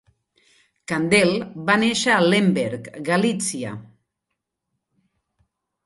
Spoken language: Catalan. Kandel va néixer a Lemberg, Galítsia.